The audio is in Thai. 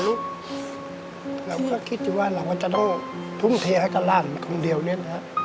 เราก็คิดว่าเราจะต้องทุ่มเทให้กับร่านคนเดียวเนี่ยนะครับ